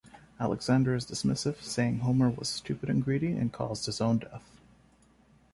Alexander is dismissive, saying Homer was "stupid and greedy", and caused his own death.